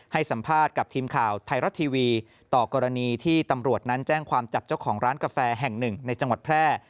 ให้สัมภาษณ์กับทีมข่าวไทยรัฐทีวีต่อกรณีที่ตำรวจนั้นแจ้งความจับเจ้าของร้านกาแฟแห่งหนึ่งในจังหวัดแพร่